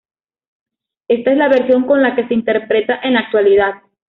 Esta es la versión con la que se interpreta en la actualidad.